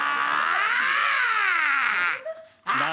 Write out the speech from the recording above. ああ！